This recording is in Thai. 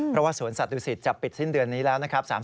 เพราะว่าสวนสัตดูสิตจะปิดสิ้นเดือนนี้แล้วนะครับ